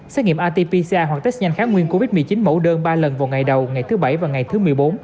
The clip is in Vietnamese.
xét nghiệm atpc hoặc test nhanh kháng nguyên covid một mươi chín mẫu đơn ba lần vào ngày đầu ngày thứ bảy và ngày thứ một mươi bốn